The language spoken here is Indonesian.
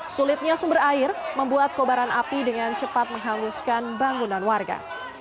sulitnya sumber air membuat kobaran api dengan cepat menghanguskan bangunan warga